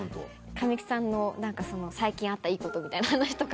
神木さんの最近あったいいことみたいな話とか。